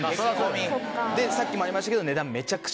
さっきもありましたけど。